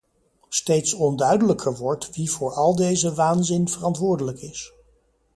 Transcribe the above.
Steeds onduidelijker wordt wie voor al deze waanzin verantwoordelijk is.